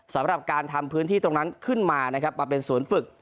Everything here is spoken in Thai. สำหรับการทำพื้นที่ตรงนั้นขึ้นมานะครับมาเป็นศูนย์ฝึก